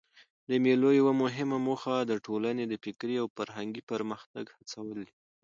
د مېلو یوه مهمه موخه د ټولني د فکري او فرهنګي پرمختګ هڅول دي.